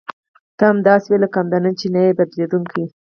ته همداسې وې لکه همدا نن چې یې نه بدلېدونکې.